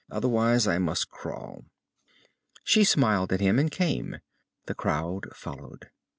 "Otherwise, I must crawl." She smiled at him and came. The crowd followed.